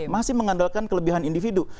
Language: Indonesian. masih mengandalkan kelebihan individu